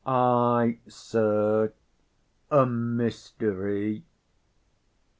_ Ay, sir; a mystery.